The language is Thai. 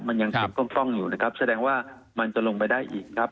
มันยังทิ้งฟองอยู่แสดงว่ามันจะลงไปได้อีกครับ